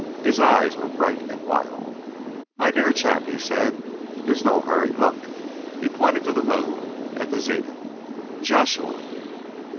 His eyes were bright and wild. "My dear chap," he said, "there's no hurry. Look" he pointed to the moon at the zenith "Joshua!"